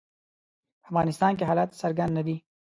په افغانستان کې حالات څرګند نه دي.